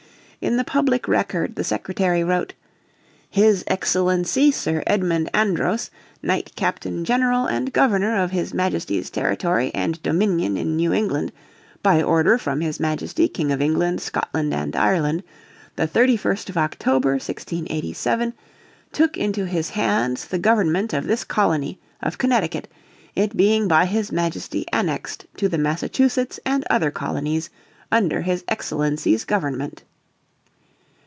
In the public record the secretary wrote: "His Excellency Sir Edmund Andros, Knight Captain General and Governor of His Majesty's Territory and Dominion in New England, by order from his Majesty, King of England, Scotland and Ireland, the 31st of October, 1687, took into his hands the government of this Colony, of Connecticut, it being by his Majesty annexed to the Massachusetts and other Colonies under his Excellency's Government.